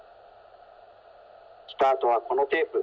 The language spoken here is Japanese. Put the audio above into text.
スタートはこのテープ。